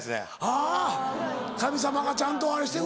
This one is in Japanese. あぁ神様がちゃんとあれして。